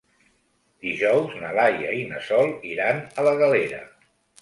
Dijous na Laia i na Sol iran a la Galera.